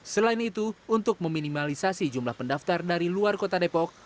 selain itu untuk meminimalisasi jumlah pendaftar dari luar kota depok